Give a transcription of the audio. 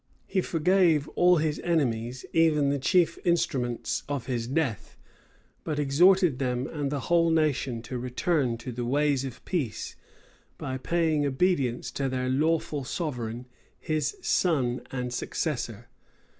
He forgave all his enemies, even the chief instruments of his death; but exhorted them and the whole nation to return to the ways of peace, by paying obedience to their lawful sovereign, his son and successor.